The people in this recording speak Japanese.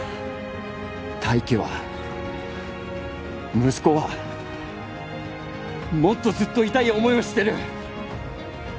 泰生は息子はもっとずっと痛い思いをしてる。